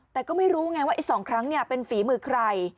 แต่ก็ไม่รู้ไงว่าไอ้๒ครั้งเป็นฝีมือใคร